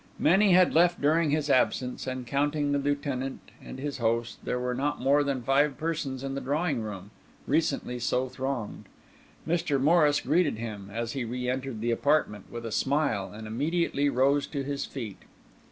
Many had left during his absence; and counting the Lieutenant and his host, there were not more than five persons in the drawing room—recently so thronged. Mr. Morris greeted him, as he re entered the apartment, with a smile, and immediately rose to his feet.